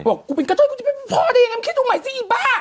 บอกกูเป็นกระโทษกูจะเป็นพ่อเถอะยังไงมันคิดดูใหม่สิอีบ้า